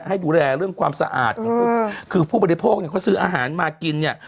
ให้ดูแลเรื่องความสะอาดของคือผู้บริโภคเนี่ยเขาซื้ออาหารมากินเนี่ย